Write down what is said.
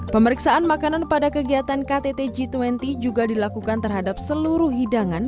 pemeriksaan makanan pada kegiatan ktt g dua puluh juga dilakukan terhadap seluruh hidangan